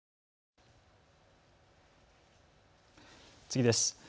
次です。